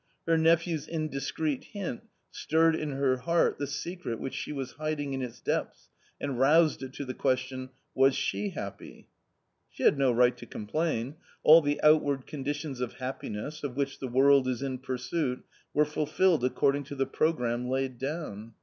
Her nephew's indis creet hint stirred in her heart the secret which she was hiding in its depths and roused it to the question — was she happy ? She had no right to complain ; all the outward conditions of happiness, of which the world is in pursuit, were fulfilled according to the programme laid down.